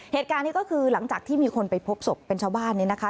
เหตุการณ์นี้ก็คือหลังจากที่มีคนไปพบศพเป็นชาวบ้านนี้นะคะ